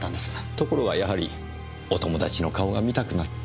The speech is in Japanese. ところがやはりお友達の顔が見たくなった？